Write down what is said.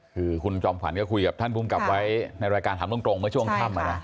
คือคุณจอมขวัญก็คุยกับท่านภูมิกับไว้ในรายการถามตรงเมื่อช่วงค่ำ